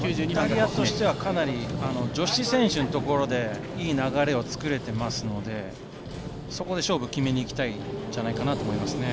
イタリアとしてはかなり女子選手のところでいい流れを作れていますのでそこで勝負を決めにいきたいんじゃないかなと思います。